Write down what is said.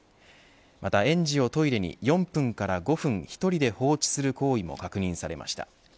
また、園児をトイレに４分から５分１人で放置する行為も確認されました。